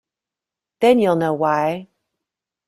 Then you’ll know why.